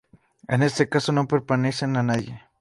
En ese caso, no pertenecen a nadie.